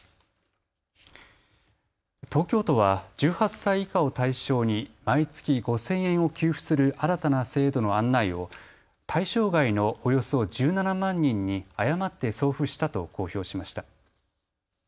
東京都は１８歳以下を対象に毎月５０００円を給付する新たな制度の案内を対象外のおよそ１７万人に誤って送付したと公表しました。